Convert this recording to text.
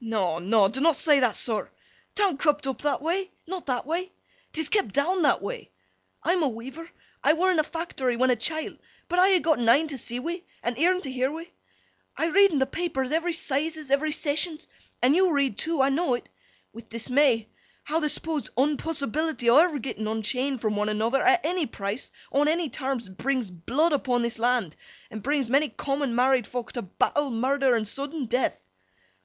'No no, dunnot say that, sir. 'Tan't kep' up that way. Not that way. 'Tis kep' down that way. I'm a weaver, I were in a fact'ry when a chilt, but I ha' gotten een to see wi' and eern to year wi'. I read in th' papers every 'Sizes, every Sessions—and you read too—I know it!—with dismay—how th' supposed unpossibility o' ever getting unchained from one another, at any price, on any terms, brings blood upon this land, and brings many common married fok to battle, murder, and sudden death.